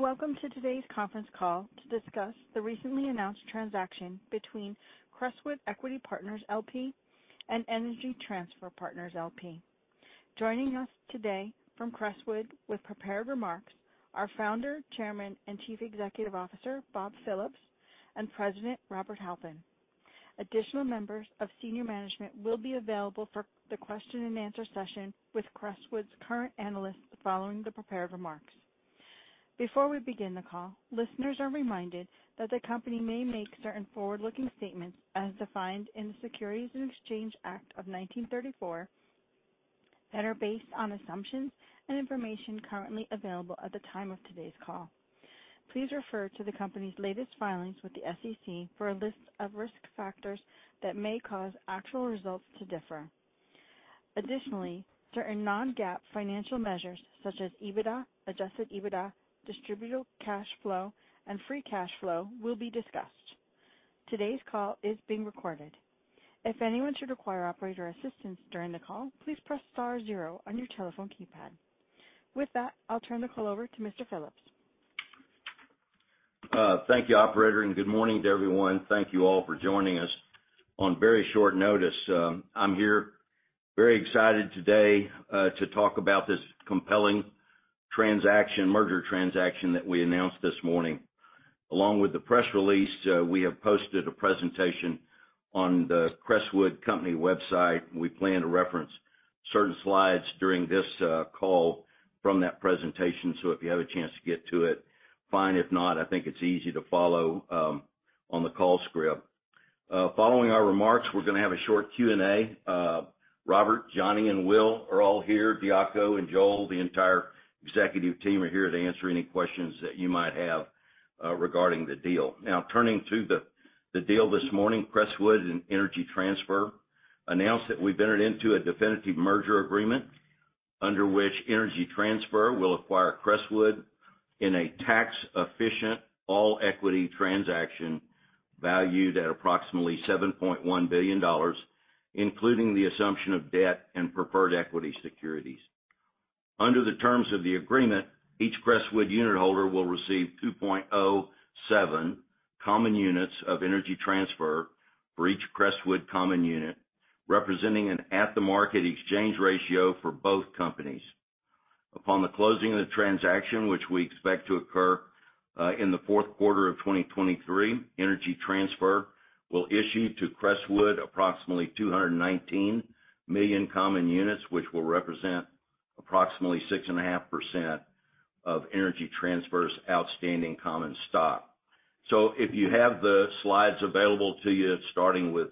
Good morning, welcome to today's conference call to discuss the recently announced transaction between Crestwood Equity Partners LP and Energy Transfer Partners LP. Joining us today from Crestwood with prepared remarks are Founder, Chairman, and Chief Executive Officer, Bob Phillips, and President, Robert Halpin. Additional members of senior management will be available for the question and answer session with Crestwood's current analysts following the prepared remarks. Before we begin the call, listeners are reminded that the company may make certain forward-looking statements, as defined in the Securities Exchange Act of 1934, that are based on assumptions and information currently available at the time of today's call. Please refer to the company's latest filings with the SEC for a list of risk factors that may cause actual results to differ. Additionally, certain non-GAAP financial measures, such as EBITDA, adjusted EBITDA, distributable cash flow, and free cash flow, will be discussed. Today's call is being recorded. If anyone should require operator assistance during the call, please press star zero on your telephone keypad. With that, I'll turn the call over to Mr. Phillips. Thank you, operator, good morning to everyone. Thank you all for joining us on very short notice. I'm here very excited today to talk about this compelling transaction, merger transaction that we announced this morning. Along with the press release, we have posted a presentation on the Crestwood Company website. We plan to reference certain slides during this call from that presentation, if you have a chance to get to it, fine. If not, I think it's easy to follow on the call script. Following our remarks, we're gonna have a short Q&A. Robert, Johnny, Will are all here. Diaco and Joel, the entire executive team, are here to answer any questions that you might have regarding the deal. Now, turning to the, the deal this morning, Crestwood and Energy Transfer announced that we've entered into a definitive merger agreement under which Energy Transfer will acquire Crestwood in a tax-efficient, all-equity transaction valued at approximately $7.1 billion, including the assumption of debt and preferred equity securities. Under the terms of the agreement, each Crestwood unitholder will receive 2.07 common units of Energy Transfer for each Crestwood common unit, representing an at-the-market exchange ratio for both companies. Upon the closing of the transaction, which we expect to occur in the Q4 of 2023, Energy Transfer will issue to Crestwood approximately 219 million common units, which will represent approximately 6.5% of Energy Transfer's outstanding common stock. If you have the slides available to you, starting with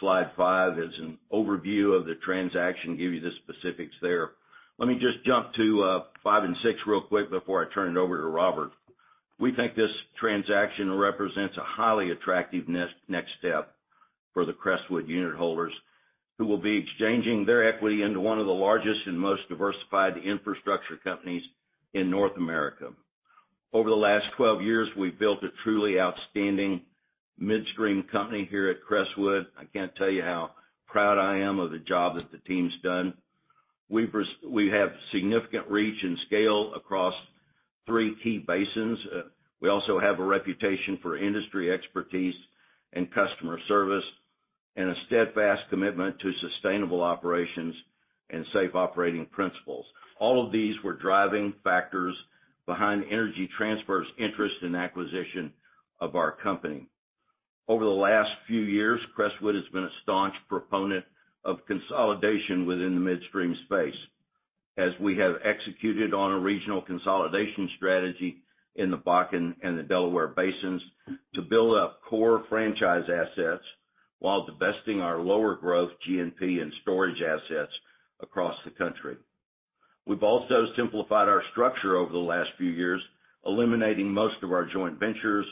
slide five, is an overview of the transaction, give you the specifics there. Let me just jump to 5 and 6 real quick before I turn it over to Robert. We think this transaction represents a highly attractive next step for the Crestwood unitholders, who will be exchanging their equity into one of the largest and most diversified infrastructure companies in North America. Over the last 12 years, we've built a truly outstanding midstream company here at Crestwood. I can't tell you how proud I am of the job that the team's done. We have significant reach and scale across 3 key basins. We also have a reputation for industry expertise and customer service, and a steadfast commitment to sustainable operations and safe operating principles. All of these were driving factors behind Energy Transfer's interest and acquisition of our company. Over the last few years, Crestwood has been a staunch proponent of consolidation within the midstream space, as we have executed on a regional consolidation strategy in the Bakken and the Delaware Basins to build up core franchise assets while divesting our lower growth G&P and storage assets across the country. We've also simplified our structure over the last few years, eliminating most of our joint ventures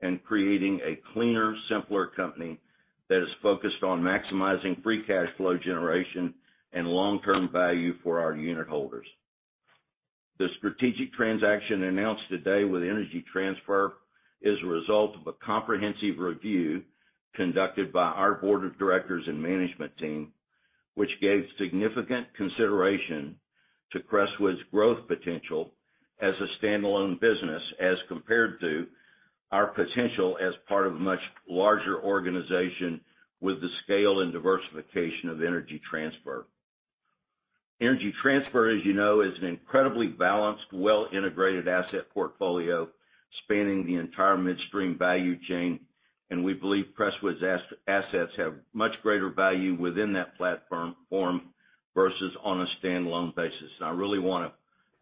and creating a cleaner, simpler company that is focused on maximizing free cash flow generation and long-term value for our unitholders. The strategic transaction announced today with Energy Transfer is a result of a comprehensive review conducted by our board of directors and management team, which gave significant consideration to Crestwood's growth potential as a standalone business, as compared to our potential as part of a much larger organization with the scale and diversification of Energy Transfer. Energy Transfer, as you know, is an incredibly balanced, well-integrated asset portfolio spanning the entire midstream value chain, and we believe Crestwood's as-assets have much greater value within that platform versus on a standalone basis. I really wanna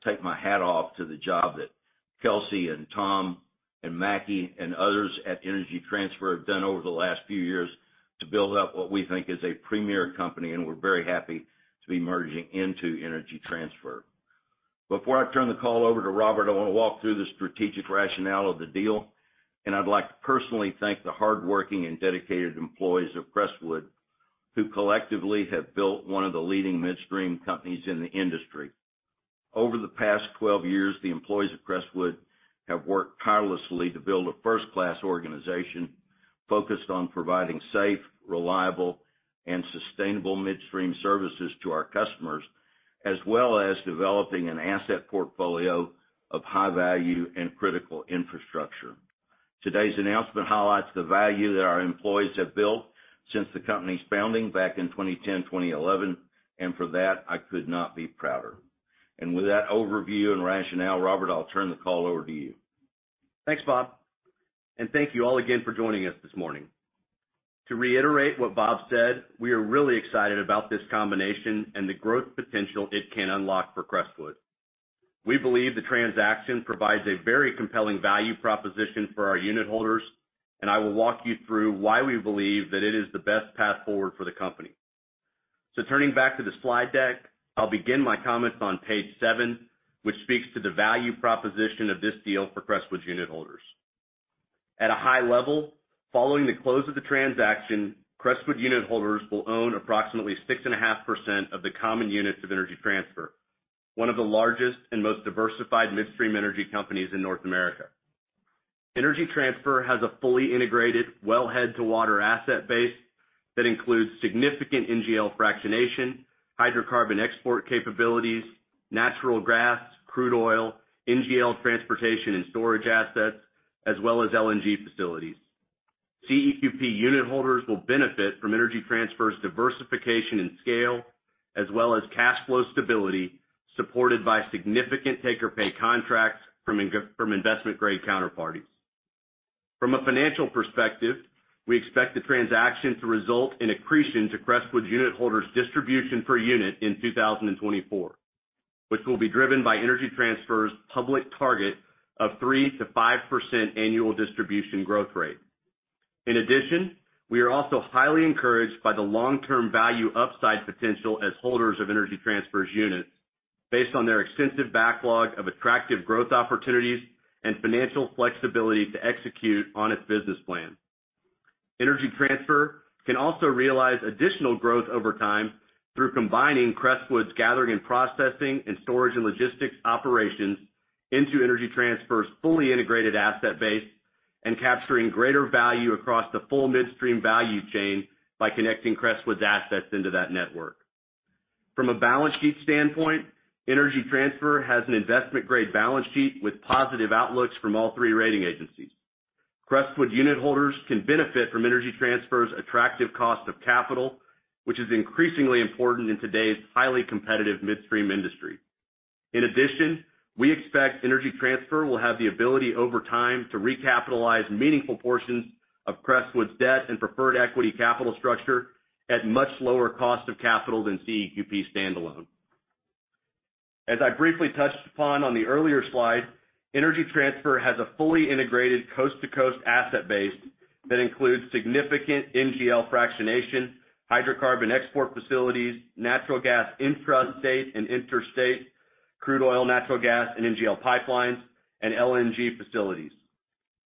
take my hat off to the job that Kelcy and Tom and Mackie and others at Energy Transfer have done over the last few years to build up what we think is a premier company, and we're very happy to be merging into Energy Transfer. Before I turn the call over to Robert, I want to walk through the strategic rationale of the deal, and I'd like to personally thank the hardworking and dedicated employees of Crestwood, who collectively have built one of the leading midstream companies in the industry. Over the past 12 years, the employees of Crestwood have worked tirelessly to build a first-class organization focused on providing safe, reliable, and sustainable midstream services to our customers, as well as developing an asset portfolio of high value and critical infrastructure. Today's announcement highlights the value that our employees have built since the company's founding back in 2010, 2011, and for that, I could not be prouder. With that overview and rationale, Robert, I'll turn the call over to you. Thanks, Bob. Thank you all again for joining us this morning. To reiterate what Bob said, we are really excited about this combination and the growth potential it can unlock for Crestwood. We believe the transaction provides a very compelling value proposition for our unitholders, and I will walk you through why we believe that it is the best path forward for the company. Turning back to the slide deck, I'll begin my comments on page seven, which speaks to the value proposition of this deal for Crestwood's unitholders. At a high level, following the close of the transaction, Crestwood unitholders will own approximately 6.5% of the common units of Energy Transfer, one of the largest and most diversified midstream energy companies in North America. Energy Transfer has a fully integrated wellhead-to-water asset base that includes significant NGL fractionation, hydrocarbon export capabilities, natural gas, crude oil, NGL transportation and storage assets, as well as LNG facilities. CEQP unitholders will benefit from Energy Transfer's diversification and scale, as well as cash flow stability, supported by significant take-or-pay contracts from investment-grade counterparties. From a financial perspective, we expect the transaction to result in accretion to Crestwood's unitholders' distribution per unit in 2024, which will be driven by Energy Transfer's public target of 3%-5% annual distribution growth rate. In addition, we are also highly encouraged by the long-term value upside potential as holders of Energy Transfer's units based on their extensive backlog of attractive growth opportunities and financial flexibility to execute on its business plan. Energy Transfer can also realize additional growth over time through combining Crestwood's gathering and processing and storage and logistics operations into Energy Transfer's fully integrated asset base and capturing greater value across the full midstream value chain by connecting Crestwood's assets into that network. From a balance sheet standpoint, Energy Transfer has an investment-grade balance sheet with positive outlooks from all three rating agencies. Crestwood unitholders can benefit from Energy Transfer's attractive cost of capital, which is increasingly important in today's highly competitive midstream industry. In addition, we expect Energy Transfer will have the ability over time to recapitalize meaningful portions of Crestwood's debt and preferred equity capital structure at much lower cost of capital than CEQP standalone. As I briefly touched upon on the earlier slide, Energy Transfer has a fully integrated coast-to-coast asset base that includes significant NGL fractionation, hydrocarbon export facilities, natural gas intrastate and interstate, crude oil, natural gas, and NGL pipelines, and LNG facilities.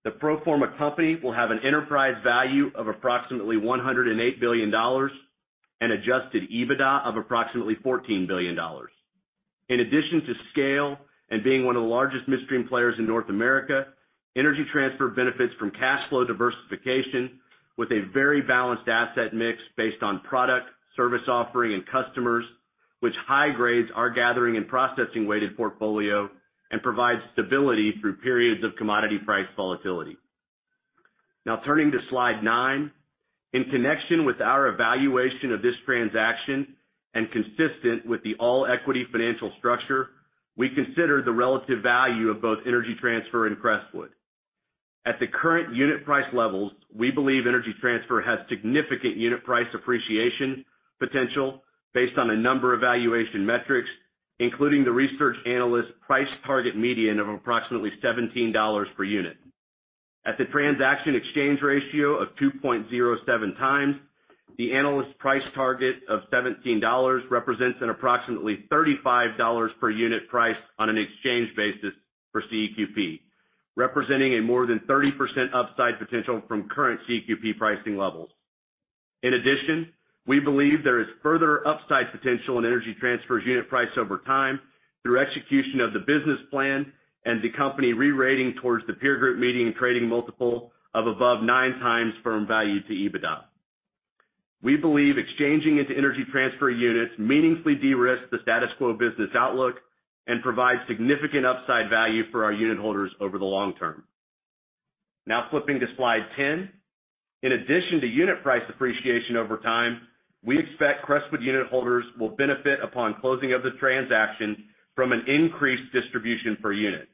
The pro forma company will have an enterprise value of approximately $108 billion and adjusted EBITDA of approximately $14 billion. In addition to scale and being one of the largest midstream players in North America, Energy Transfer benefits from cash flow diversification with a very balanced asset mix based on product, service offering, and customers, which high grades our gathering and processing weighted portfolio and provides stability through periods of commodity price volatility. Turning to slide nine. In connection with our evaluation of this transaction, and consistent with the all-equity financial structure, we consider the relative value of both Energy Transfer and Crestwood. At the current unit price levels, we believe Energy Transfer has significant unit price appreciation potential based on a number of valuation metrics, including the research analyst's price target median of approximately $17 per unit. At the transaction exchange ratio of 2.07x, the analyst price target of $17 represents an approximately $35 per unit price on an exchange basis for CEQP, representing a more than 30% upside potential from current CEQP pricing levels. In addition, we believe there is further upside potential in Energy Transfer's unit price over time through execution of the business plan and the company re-rating towards the peer group median trading multiple of above 9x firm value to EBITDA. We believe exchanging into Energy Transfer units meaningfully de-risks the status quo business outlook and provides significant upside value for our unitholders over the long term. Now flipping to slide 10. In addition to unit price appreciation over time, we expect Crestwood unitholders will benefit upon closing of the transaction from an increased distribution per unit.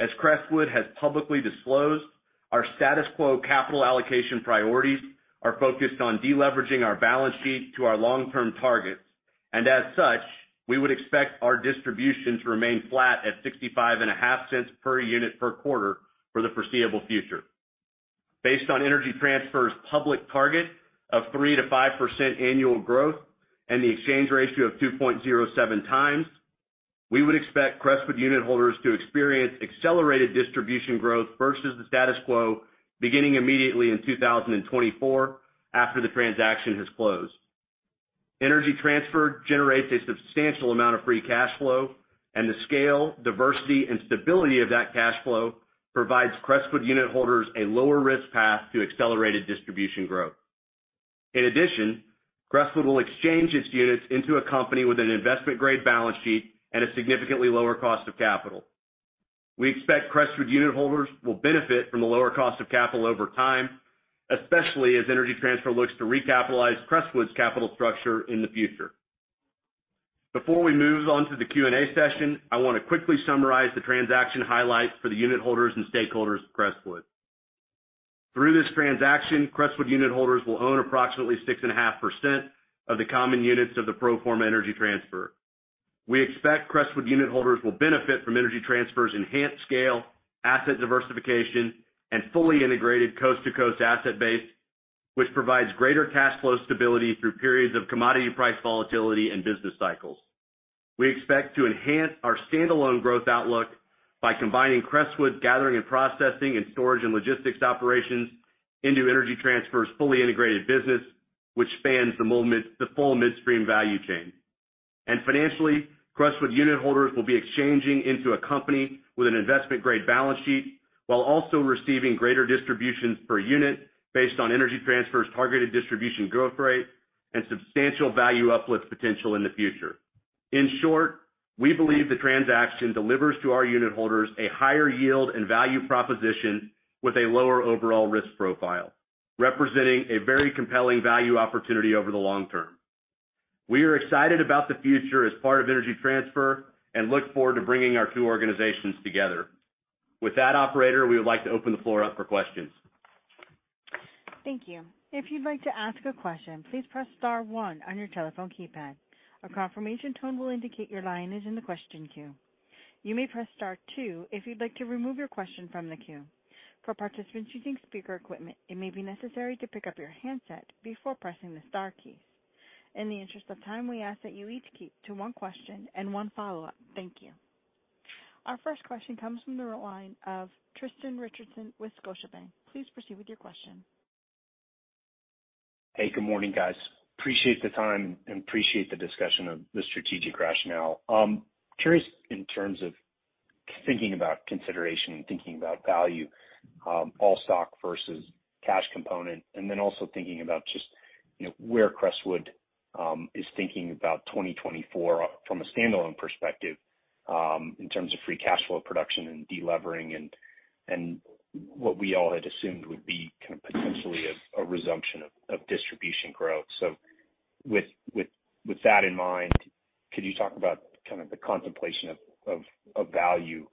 As Crestwood has publicly disclosed, our status quo capital allocation priorities are focused on deleveraging our balance sheet to our long-term targets, and as such, we would expect our distribution to remain flat at $0.655 per unit per quarter for the foreseeable future. Based on Energy Transfer's public target of 3%-5% annual growth and the exchange ratio of 2.07 times, we would expect Crestwood unitholders to experience accelerated distribution growth versus the status quo, beginning immediately in 2024, after the transaction has closed. Energy Transfer generates a substantial amount of free cash flow, and the scale, diversity, and stability of that cash flow provides Crestwood unitholders a lower risk path to accelerated distribution growth. In addition, Crestwood will exchange its units into a company with an investment-grade balance sheet and a significantly lower cost of capital. We expect Crestwood unitholders will benefit from the lower cost of capital over time, especially as Energy Transfer looks to recapitalize Crestwood's capital structure in the future. Before we move on to the Q&A session, I want to quickly summarize the transaction highlights for the unitholders and stakeholders of Crestwood. Through this transaction, Crestwood unitholders will own approximately 6.5% of the common units of the pro forma Energy Transfer. We expect Crestwood unitholders will benefit from Energy Transfer's enhanced scale, asset diversification, and fully integrated coast-to-coast asset base, which provides greater cash flow stability through periods of commodity price volatility and business cycles. We expect to enhance our standalone growth outlook by combining Crestwood's gathering and processing and storage and logistics operations into Energy Transfer's fully integrated business, which spans the full midstream value chain. Financially, Crestwood unitholders will be exchanging into a company with an investment-grade balance sheet, while also receiving greater distributions per unit based on Energy Transfer's targeted distribution growth rate and substantial value uplift potential in the future. In short, we believe the transaction delivers to our unitholders a higher yield and value proposition with a lower overall risk profile, representing a very compelling value opportunity over the long term. We are excited about the future as part of Energy Transfer and look forward to bringing our two organizations together. With that, operator, we would like to open the floor up for questions. Thank you. If you'd like to ask a question, please press star one on your telephone keypad. A confirmation tone will indicate your line is in the question queue. You may press star two if you'd like to remove your question from the queue. For participants using speaker equipment, it may be necessary to pick up your handset before pressing the star keys. In the interest of time, we ask that you each keep to one question and one follow-up. Thank you. Our first question comes from the line of Tristan Richardson with Scotiabank. Please proceed with your question. Hey, good morning, guys. Appreciate the time and appreciate the discussion of the strategic rationale. Curious, in terms of thinking about consideration, thinking about value, all stock versus cash component, and then also thinking about just, you know, where Crestwood is thinking about 2024 from a standalone perspective, in terms of free cash flow production and delevering and, and what we all had assumed would be kind of potentially a, a resumption of, of distribution growth. With, with, with that in mind, could you talk about kind of the contemplation of, of, of value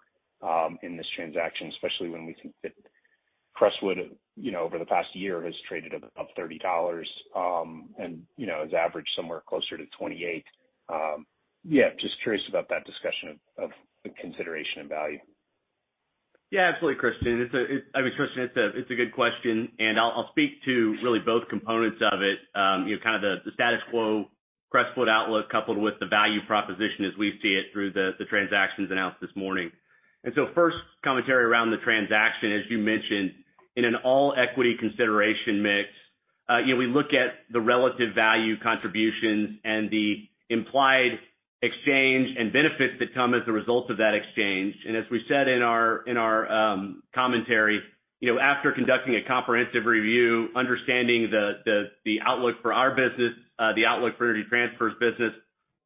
in this transaction, especially when we think that Crestwood, you know, over the past year, has traded above $30, and, you know, has averaged somewhere closer to 28? Yeah, just curious about that discussion of, of the consideration and value. Yeah, absolutely, Tristan. It's a, I mean, Tristan, it's a, it's a good question, and I'll, I'll speak to really both components of it. You know, kind of the, the status quo, Crestwood outlook, coupled with the value proposition as we see it through the, the transactions announced this morning. First commentary around the transaction, as you mentioned, in an all-equity consideration mix, you know, we look at the relative value contributions and the implied exchange and benefits that come as a result of that exchange. As we said in our, in our commentary, you know, after conducting a comprehensive review, understanding the outlook for our business, the outlook for Energy Transfer's business,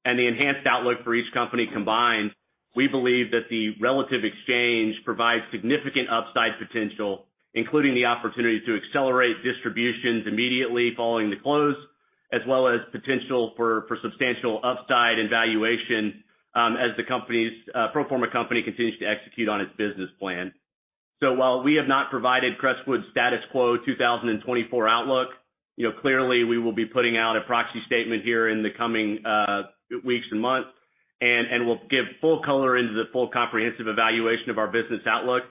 and the enhanced outlook for each company combined, we believe that the relative exchange provides significant upside potential, including the opportunity to accelerate distributions immediately following the close, as well as potential for substantial upside and valuation, as the company's pro forma company continues to execute on its business plan. While we have not provided Crestwood's status quo 2024 outlook, you know, clearly, we will be putting out a proxy statement here in the coming weeks and months, and we'll give full color into the full comprehensive evaluation of our business outlook.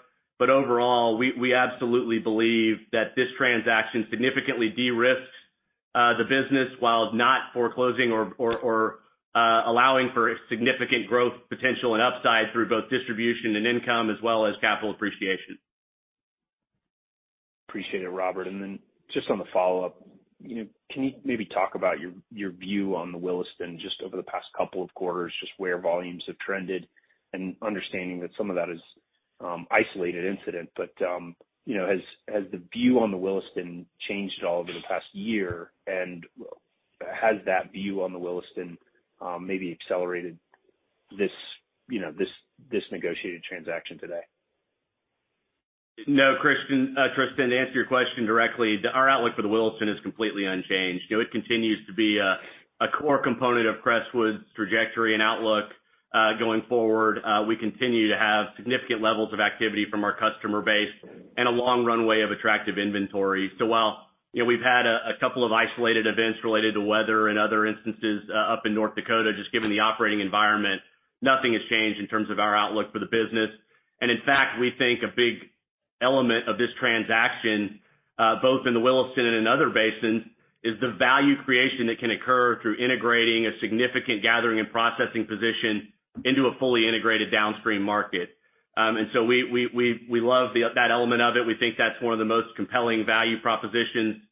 Overall, we, we absolutely believe that this transaction significantly de-risks the business while not foreclosing or allowing for significant growth, potential, and upside through both distribution and income, as well as capital appreciation. Appreciate it, Robert. Then just on the follow-up, you know, can you maybe talk about your, your view on the Williston just over the past 2 quarters, just where volumes have trended, and understanding that some of that is isolated incident, but, you know, has, has the view on the Williston changed at all over the past year? Has that view on the Williston maybe accelerated this, you know, this, this negotiated transaction today? No, Christian, Tristan, to answer your question directly, our outlook for the Williston is completely unchanged. You know, it continues to be a core component of Crestwood's trajectory and outlook. Going forward, we continue to have significant levels of activity from our customer base and a long runway of attractive inventory. While, you know, we've had a couple of isolated events related to weather and other instances up in North Dakota, just given the operating environment, nothing has changed in terms of our outlook for the business. In fact, we think a big element of this transaction, both in the Williston and in other basins, is the value creation that can occur through integrating a significant gathering and processing position into a fully integrated downstream market. We love that element of it. We think that's one of the most compelling value propositions,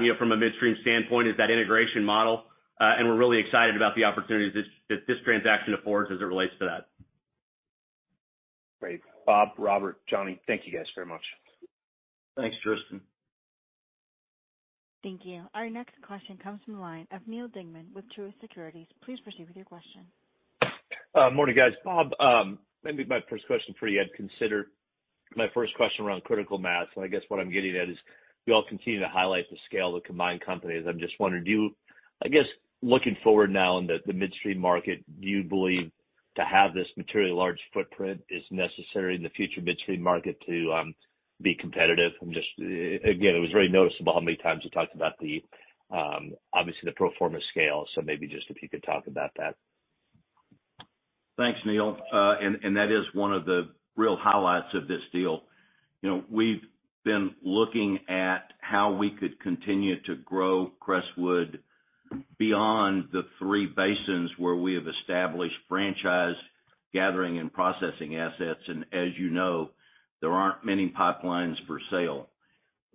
you know, from a midstream standpoint, is that integration model. We're really excited about the opportunities this, that this transaction affords as it relates to that. Great. Bob, Robert, Johnny, thank you guys very much. Thanks, Tristan. Thank you. Our next question comes from the line of Neal Dingman with Truist Securities. Please proceed with your question. Morning, guys. Bob, maybe my first question for you. I'd consider my first question around critical mass, and I guess what I'm getting at is, you all continue to highlight the scale of the combined companies. I'm just wondering, I guess, looking forward now in the, the midstream market, do you believe to have this materially large footprint is necessary in the future midstream market to be competitive? I'm just, Again, it was very noticeable how many times you talked about the, obviously, the pro forma scale. Maybe just if you could talk about that. Thanks, Neil. That is one of the real highlights of this deal. You know, we've been looking at how we could continue to grow Crestwood beyond the three basins where we have established franchise gathering and processing assets. As you know, there aren't many pipelines for sale.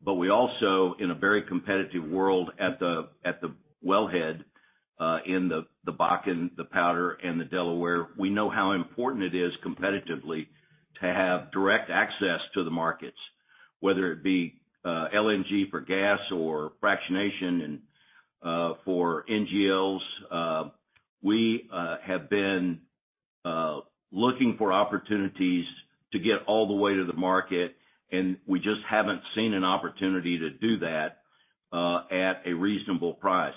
We also, in a very competitive world at the wellhead, in the Bakken, the Powder, and the Delaware, we know how important it is competitively to have direct access to the markets, whether it be LNG for gas or fractionation and for NGLs. We have been looking for opportunities to get all the way to the market. We just haven't seen an opportunity to do that at a reasonable price.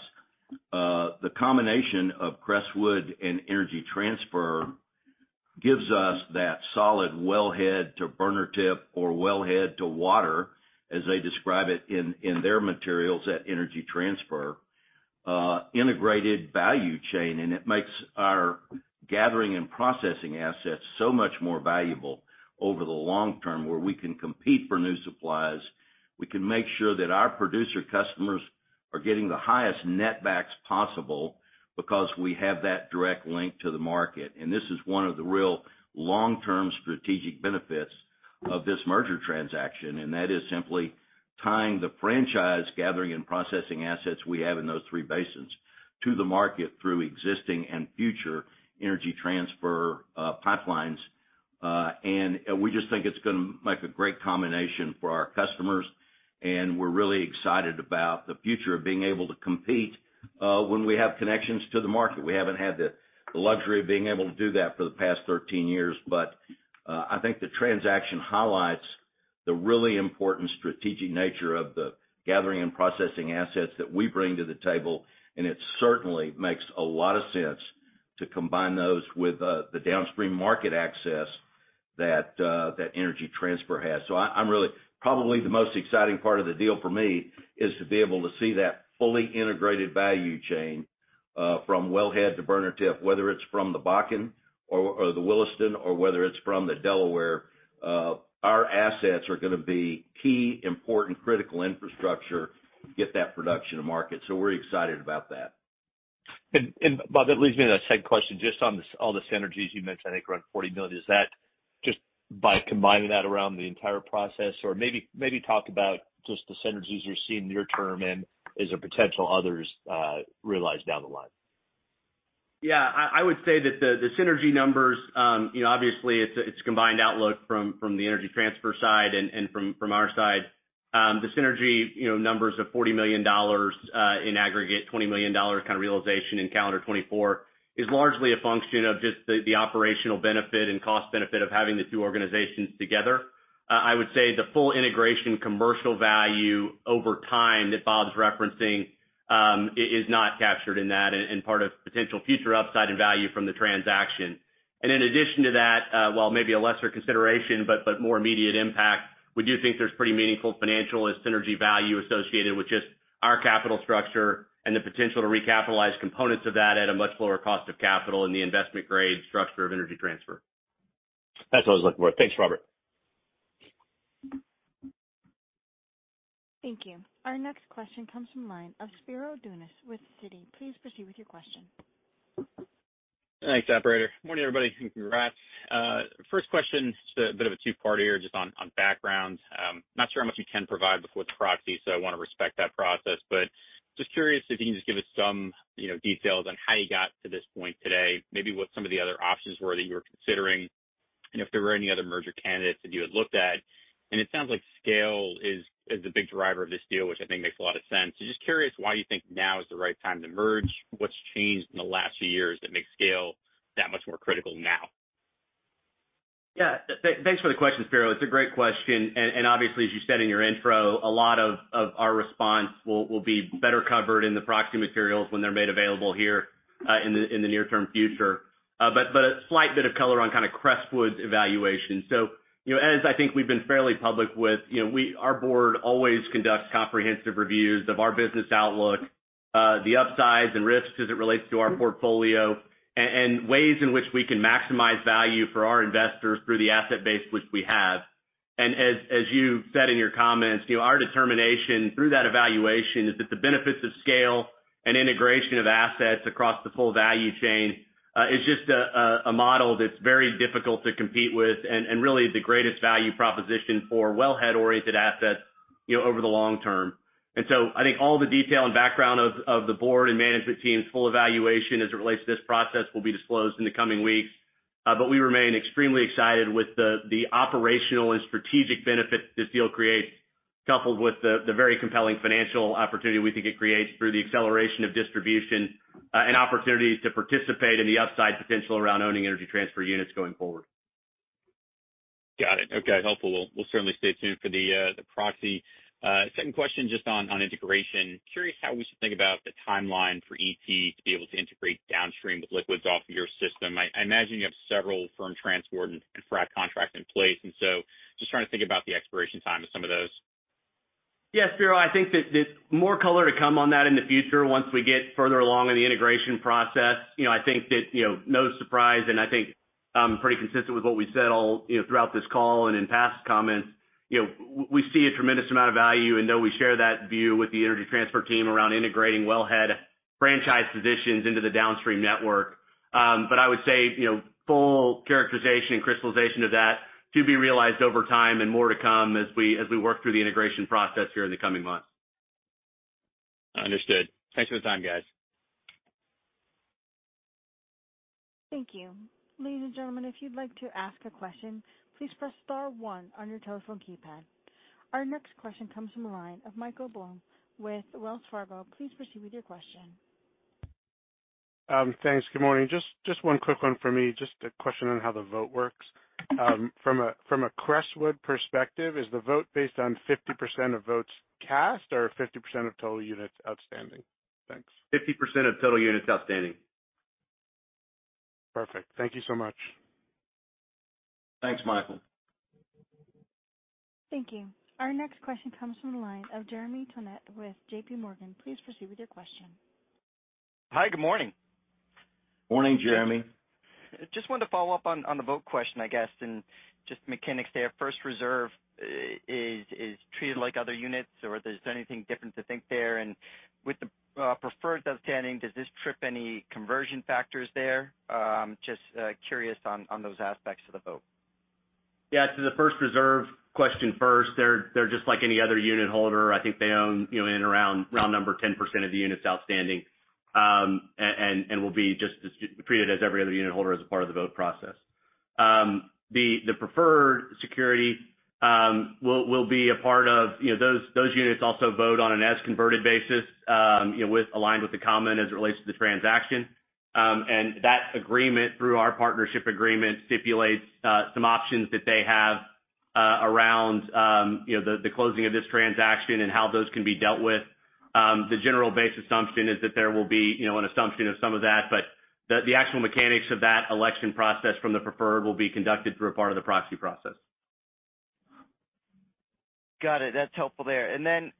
The combination of Crestwood and Energy Transfer gives us that solid wellhead to burner tip or wellhead-to-water, as they describe it in, in their materials at Energy Transfer, integrated value chain. It makes our gathering and processing assets so much more valuable over the long term, where we can compete for new supplies. We can make sure that our producer customers are getting the highest netbacks possible because we have that direct link to the market. This is one of the real long-term strategic benefits of this merger transaction, and that is simply tying the franchise gathering and processing assets we have in those three basins to the market through existing and future Energy Transfer pipelines. We just think it's gonna make a great combination for our customers, and we're really excited about the future of being able to compete when we have connections to the market. We haven't had the, the luxury of being able to do that for the past 13 years, but I think the transaction highlights the really important strategic nature of the gathering and processing assets that we bring to the table. It certainly makes a lot of sense to combine those with the downstream market access that Energy Transfer has. Probably the most exciting part of the deal for me is to be able to see that fully integrated value chain, from wellhead to burner tip, whether it's from the Bakken or, or the Williston, or whether it's from the Delaware, our assets are gonna be key, important, critical infrastructure to get that production to market. We're excited about that. Bob, that leads me to the second question, just on the synergies you mentioned, I think, around $40 million. Is that just by combining that around the entire process? Or maybe, maybe talk about just the synergies you're seeing near term, and is there potential others realized down the line? Yeah, I, I would say that the, the synergy numbers, you know, obviously it's a, it's a combined outlook from, from the Energy Transfer side and, and from, from our side. The synergy, you know, numbers of $40 million in aggregate, $20 million kind of realization in calendar 2024, is largely a function of just the, the operational benefit and cost benefit of having the two organizations together. I would say the full integration commercial value over time that Bob's referencing, is, is not captured in that, and, and part of potential future upside and value from the transaction. In addition to that, while maybe a lesser consideration, but, but more immediate impact, we do think there's pretty meaningful financial and synergy value associated with just our capital structure and the potential to recapitalize components of that at a much lower cost of capital in the investment-grade structure of Energy Transfer. That's what I was looking for. Thanks, Robert. Thank you. Our next question comes from line of Spiro Dounis with Citi. Please proceed with your question. Thanks, operator. Morning, everybody, and congrats. First question, just a bit of a two-parter here, just on, on background. Not sure how much you can provide before the proxy, so I want to respect that process. Just curious if you can just give us some, you know, details on how you got to this point today, maybe what some of the other options were that you were considering, and if there were any other merger candidates that you had looked at. It sounds like scale is, is the big driver of this deal, which I think makes a lot of sense. Just curious why you think now is the right time to merge? What's changed in the last few years that makes scale that much more critical now? Yeah. Thanks for the question, Spiro. It's a great question. And obviously, as you said in your intro, a lot of our response will be better covered in the proxy materials when they're made available here in the near term future. But a slight bit of color on kind of Crestwood's evaluation. You know, as I think we've been fairly public with, you know, our Board always conducts comprehensive reviews of our business outlook, the upsides and risks as it relates to our portfolio, and ways in which we can maximize value for our investors through the asset base which we have.... As, as you said in your comments, you know, our determination through that evaluation is that the benefits of scale and integration of assets across the full value chain, is just a model that's very difficult to compete with and, and really the greatest value proposition for wellhead-oriented assets, you know, over the long term. So I think all the detail and background of, of the board and management team's full evaluation as it relates to this process will be disclosed in the coming weeks. We remain extremely excited with the, the operational and strategic benefits this deal creates, coupled with the, the very compelling financial opportunity we think it creates through the acceleration of distribution, and opportunities to participate in the upside potential around owning Energy Transfer units going forward. Got it. Okay, helpful. We'll, we'll certainly stay tuned for the proxy. Second question, just on, on integration. Curious how we should think about the timeline for ET to be able to integrate downstream with liquids off of your system. I, I imagine you have several firm transport and frac contracts in place, and so just trying to think about the expiration time of some of those. Yes, Bureau, I think that there's more color to come on that in the future once we get further along in the integration process. You know, I think that, you know, no surprise, and I think, pretty consistent with what we said all, you know, throughout this call and in past comments, you know, we see a tremendous amount of value, and know we share that view with the Energy Transfer team around integrating wellhead franchise positions into the downstream network. I would say, you know, full characterization and crystallization of that to be realized over time and more to come as we, as we work through the integration process here in the coming months. Understood. Thanks for the time, guys. Thank you. Ladies and gentlemen, if you'd like to ask a question, please press star 1 on your telephone keypad. Our next question comes from the line of Michael Blum with Wells Fargo. Please proceed with your question. Thanks. Good morning. Just, just one quick one for me. Just a question on how the vote works. From a, from a Crestwood perspective, is the vote based on 50% of votes cast or 50% of total units outstanding? Thanks. 50% of total units outstanding. Perfect. Thank you so much. Thanks, Michael. Thank you. Our next question comes from the line of Jeremy Tonet with JPMorgan. Please proceed with your question. Hi, good morning. Morning, Jeremy. Just wanted to follow up on, on the vote question, I guess, and just the mechanics there. First Reserve is, is treated like other units, or is there anything different to think there? With the preferred outstanding, does this trip any conversion factors there? Just curious on, on those aspects of the vote. Yeah, to the First Reserve question first, they're just like any other unitholder. I think they own, you know, in around, round number 10% of the units outstanding, and will be just as treated as every other unitholder as a part of the vote process. The preferred security will be a part of. You know, those units also vote on an as converted basis, you know, with aligned with the common as it relates to the transaction. That agreement, through our partnership agreement, stipulates some options that they have, around, you know, the closing of this transaction and how those can be dealt with. The general base assumption is that there will be, you know, an assumption of some of that, but the actual mechanics of that election process from the preferred will be conducted through a part of the proxy process. Got it. That's helpful there. Then,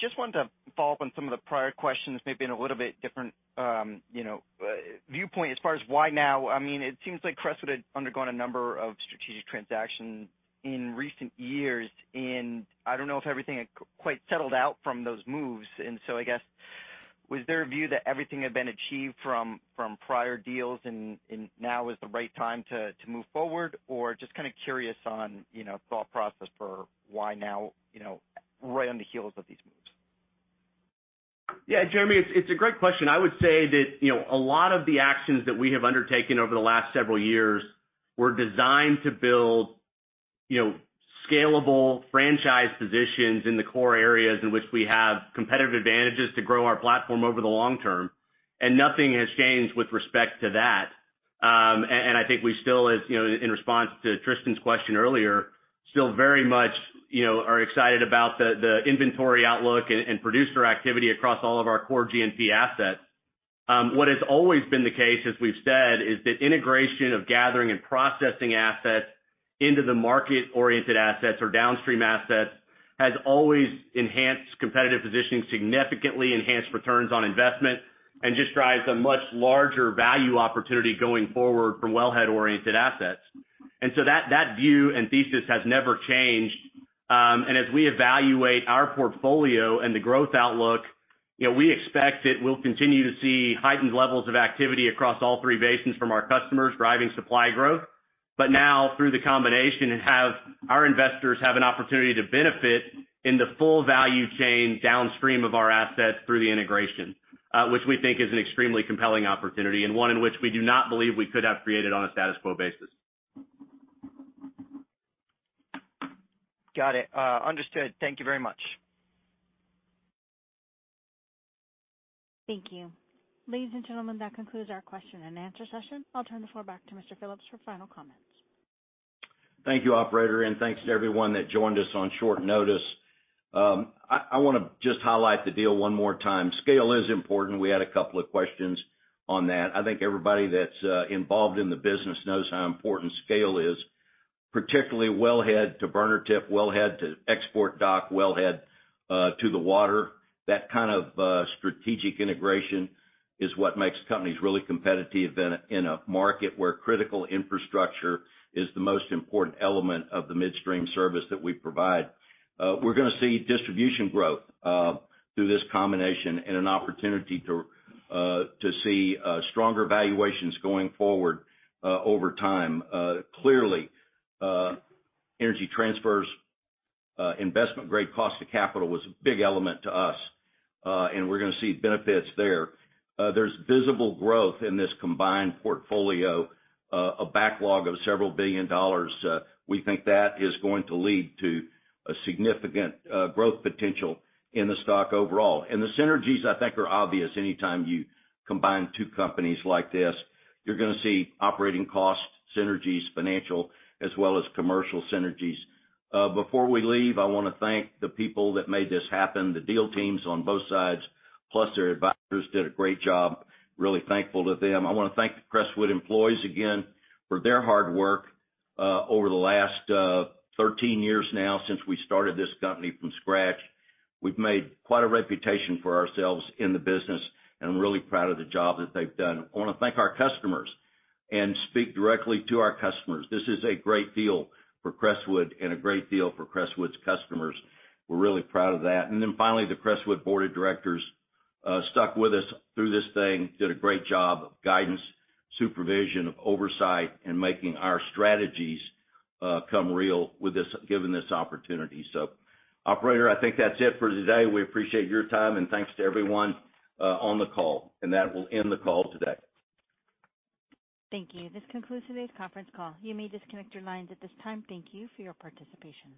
just wanted to follow up on some of the prior questions, maybe in a little bit different, you know, viewpoint as far as why now? I mean, it seems like Crestwood had undergone a number of strategic transactions in recent years, and I don't know if everything had quite settled out from those moves. So I guess, was there a view that everything had been achieved from, from prior deals and, and now is the right time to, to move forward? Or just kind of curious on, you know, thought process for why now, you know, right on the heels of these moves. Yeah, Jeremy, it's, it's a great question. I would say that, you know, a lot of the actions that we have undertaken over the last several years were designed to build, you know, scalable franchise positions in the core areas in which we have competitive advantages to grow our platform over the long term, and nothing has changed with respect to that. I think we still, as, you know, in response to Tristan's question earlier, still very much, you know, are excited about the, the inventory outlook and, and producer activity across all of our core GNP assets. What has always been the case, as we've said, is that integration of gathering and processing assets into the market-oriented assets or downstream assets, has always enhanced competitive positioning, significantly enhanced returns on investment, and just drives a much larger value opportunity going forward from wellhead-oriented assets. So that, that view and thesis has never changed. As we evaluate our portfolio and the growth outlook, you know, we expect that we'll continue to see heightened levels of activity across all three basins from our customers, driving supply growth. Now, through the combination, and have our investors have an opportunity to benefit in the full value chain downstream of our assets through the integration, which we think is an extremely compelling opportunity, and one in which we do not believe we could have created on a status quo basis. Got it. Understood. Thank you very much. Thank you. Ladies and gentlemen, that concludes our question and answer session. I'll turn the floor back to Mr. Phillips for final comments. Thank you, operator, and thanks to everyone that joined us on short notice. I, I want to just highlight the deal one more time. Scale is important. We had a couple of questions on that. I think everybody that's involved in the business knows how important scale is, particularly wellhead to burner tip, wellhead to export dock, wellhead-to-water. That kind of strategic integration. ... is what makes companies really competitive in a market where critical infrastructure is the most important element of the midstream service that we provide. We're going to see distribution growth through this combination and an opportunity to see stronger valuations going forward over time. Clearly, Energy Transfer's investment-grade cost of capital was a big element to us, and we're going to see benefits there. There's visible growth in this combined portfolio, a backlog of several billion dollars. We think that is going to lead to a significant growth potential in the stock overall. The synergies, I think, are obvious. Anytime you combine two companies like this, you're going to see operating costs, synergies, financial, as well as commercial synergies. Before we leave, I want to thank the people that made this happen, the deal teams on both sides, plus their advisors, did a great job. Really thankful to them. I want to thank the Crestwood employees again for their hard work over the last 13 years now since we started this company from scratch. We've made quite a reputation for ourselves in the business, and I'm really proud of the job that they've done. I want to thank our customers and speak directly to our customers. This is a great deal for Crestwood and a great deal for Crestwood's customers. We're really proud of that. Then finally, the Crestwood Board of Directors stuck with us through this thing, did a great job of guidance, supervision, of oversight, and making our strategies come real with this, given this opportunity. Operator, I think that's it for today. We appreciate your time, and thanks to everyone on the call. That will end the call today. Thank you. This concludes today's conference call. You may disconnect your lines at this time. Thank you for your participation.